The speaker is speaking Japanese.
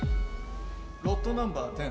ロットナンバー１０